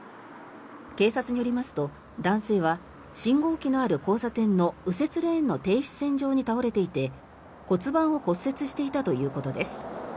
警察によりますと男性は信号機のある交差点の右折レーンの停止線上に倒れていて骨盤を骨折していたということです。